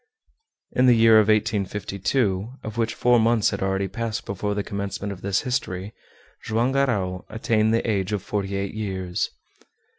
In the year 1852 of which four months had already passed before the commencement of this history Joam Garral attained the age of forty eight years.